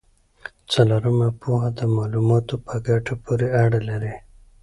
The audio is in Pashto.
څلورمه پوهه د معلوماتو په ګټه پورې اړه لري.